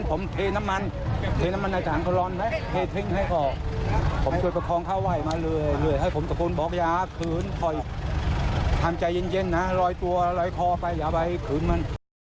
คอยทำใจเย็นนะลอยตัวลอยคอไปอย่าไปคืนมัน